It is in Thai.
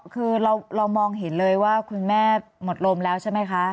คือเรามองเห็นเลยว่าคุณแม่หมดลมแล้วใช่ไหมคะ